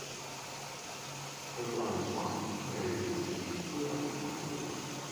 O'Brian's wife Mary Wicksteed grew up in Appledore.